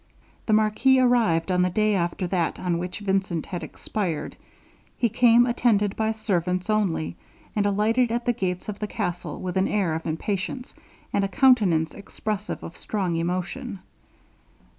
The marquis arrived on the day after that on which Vincent had expired. He came attended by servants only, and alighted at the gates of the castle with an air of impatience, and a countenance expressive of strong emotion.